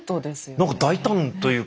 なんか大胆というか。